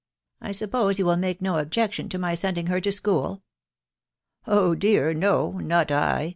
I soppose you wML make no objection to nay Binding her to school? "" Oh dear; no*J not' I